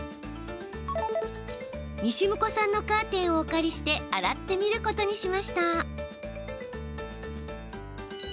西向さんのカーテンをお借りして洗ってみることにしました。